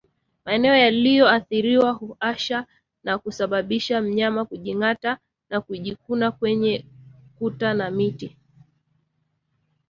Maeneo yaliyoathirika huwasha na kusababisha mnyama kujingata na kujikuna kwenye kuta na miti